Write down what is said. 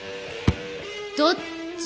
どっち？